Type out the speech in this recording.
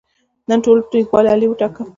نن ټولو کلیوالو علي وټاکه.